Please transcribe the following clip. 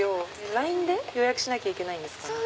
ＬＩＮＥで予約しなきゃいけないんですかね？